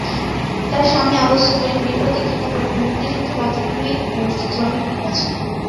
তার স্বামী আবু সুফিয়ান বীর প্রতীক খেতাব প্রাপ্ত মুক্তিযোদ্ধা, রাজনীতিবিদ ও শ্রমিক নেতা ছিলেন।